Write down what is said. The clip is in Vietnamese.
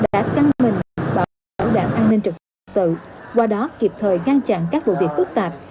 đã căng mình bảo đảm an ninh trực tự qua đó kịp thời ngăn chặn các vụ việc phức tạp